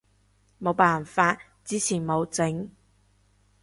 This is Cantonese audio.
冇辦法，之前冇整